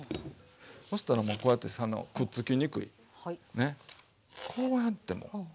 そしたらもうこうやってくっつきにくいねこうやってもう。